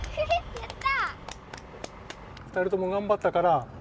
やった！